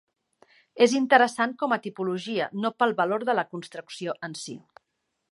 És interessant com a tipologia, no pel valor de la construcció en si.